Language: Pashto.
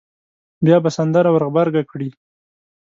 بیا به سندره ور غبرګه کړي.